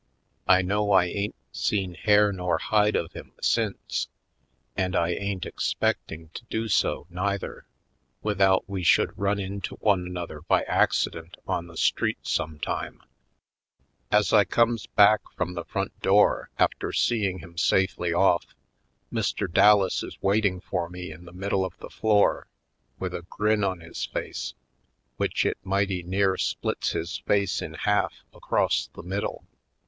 I know I ain't seen hair nor hide of him since and I ain't expecting to do so, neither, without we should run into one another by accident on the street some time. 250 /. Poindexter^ Colored As I comes back from the front door after seeing him safely off, Mr. Dallas is wait ing for me in the middle of the floor with a grin on his face, which it mighty near splits his face in half across the middle.